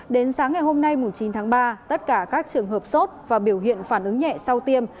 đến sáng ngày hôm nay chín tháng ba tất cả các trường hợp sốt và biểu hiện phản ứng nhẹ sau tiêm